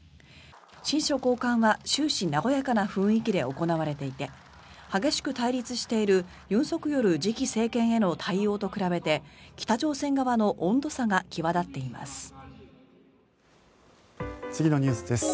親書交換は終始和やかな雰囲気で行われていて激しく対立している尹錫悦次期政権への対応と比べて北朝鮮側の温度差が際立っています。